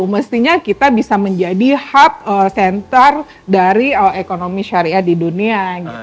mestinya kita bisa menjadi hub center dari ekonomi syariah di dunia